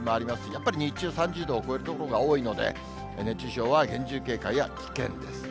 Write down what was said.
やっぱり日中３０度を超える所が多いので、熱中症は厳重警戒や危険です。